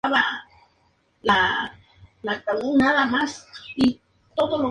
Fundó el monasterio con las reliquias que trajo de su peregrinaje a Roma.